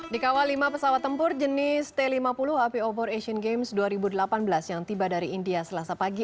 dikawal lima pesawat tempur jenis t lima puluh ipobor asian games dua ribu delapan belas yang tiba dari india selasa pagi